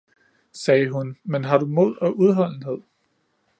sagde hun, men har du mod og udholdenhed.